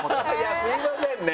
すいませんね